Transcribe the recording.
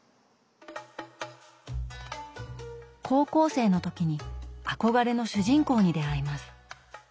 高校生の時に憧れの主人公に出会います。